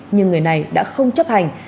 nhưng người này đã không chấp hành